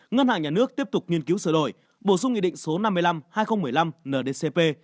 ngân hàng nhà nước tiếp tục nghiên cứu sửa đổi bổ sung nghị định số năm mươi năm hai nghìn một mươi năm ndcp